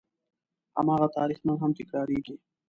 هماغه تاریخ نن هم تکرارېږي.